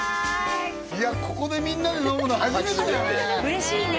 いやここでみんなで飲むの初めてだね嬉しいね